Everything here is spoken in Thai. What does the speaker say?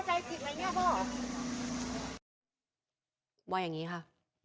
ไม่เกี่ยวข้องใช่ไหมพ่อ